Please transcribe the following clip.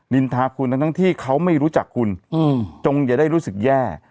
นินทาคุณทั้งที่เขาไม่รู้จักคุณจงอย่าได้รู้สึกแย่